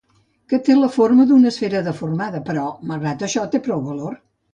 Que té la forma d'una esfera deformada, però malgrat això té prou valor.